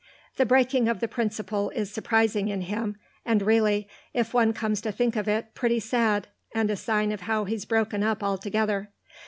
The breaking of the principle is surprising in him, and really, if one comes to think of it, pretty sad, and a sign of how he's broken up altogether.